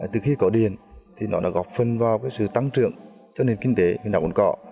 từ khi có điện thì nó đã góp phần vào sự tăng trưởng cho nền kinh tế của đảo cồn cỏ